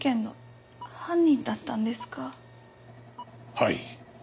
はい。